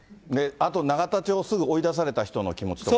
あと、永田町すぐ追い出された人の気持ちとか。